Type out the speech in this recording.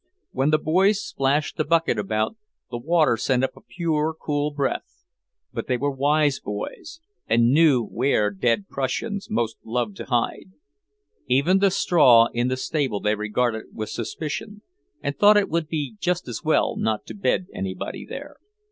When the boys splashed the bucket about, the water sent up a pure, cool breath. But they were wise boys, and knew where dead Prussians most loved to hide. Even the straw in the stable they regarded with suspicion, and thought it would be just as well not to bed anybody there.